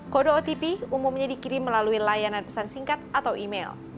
kode otp umumnya dikirim melalui layanan pesan singkat atau email